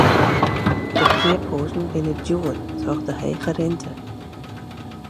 De keaphuzen binne djoer troch de hege rinte.